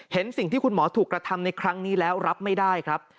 เห็นสิ่งที่คุณหมอถูกกระทำในครั้งนี้แล้วรับไม่ได้ครับ